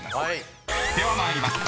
［では参ります。